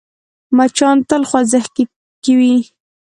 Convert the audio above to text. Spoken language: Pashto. مچان تل خوځښت کې وي